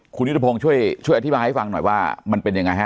คุณยุทธพงศ์ช่วยอธิบายให้ฟังหน่อยว่ามันเป็นยังไงฮะ